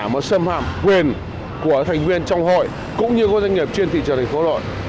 mà xâm hạm quyền của thành viên trong hội cũng như các doanh nghiệp chuyên thị trường thành phố lội